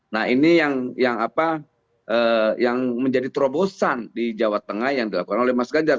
nah ini yang menjadi terobosan di jawa tengah yang dilakukan oleh mas ganjar